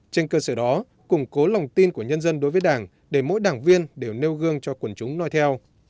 trên cơ sở đó củng cố lòng tin của nhân dân đối với đảng để mỗi đảng viên đều nêu gương cho quần chúng nói theo